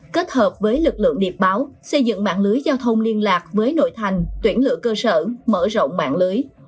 kết hợp với lực lượng điệp báo xây dựng mạng lưới giao thông liên lạc với nội thành tuyển lựa cơ sở mở rộng mạng lưới